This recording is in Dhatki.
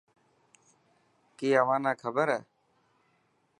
ڪي اوهان نا کبر هي.